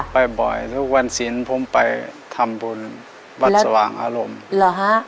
ไปบ่อยทุกวันศิลป์ผมไปทำบุญวัดสว่างอารมณ์